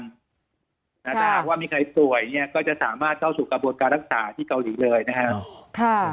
ถ้าหากว่ามีใครป่วยเนี่ยก็จะสามารถเข้าสู่กระบวนการรักษาที่เกาหลีเลยนะครับ